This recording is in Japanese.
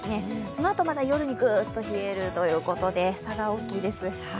そのあとまた夜にぐっと冷えるということで差が大きいです。